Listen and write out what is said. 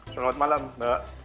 selamat malam mbak